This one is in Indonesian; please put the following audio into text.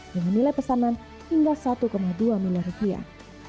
dengan nilai pesanan hingga satu dua miliar rupiah